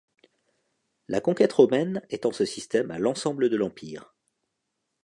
La conquête romaine étend ce système à l’ensemble de l’empire.